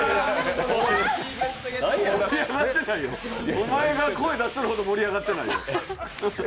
お前が声出しているほど盛り上がってないよ。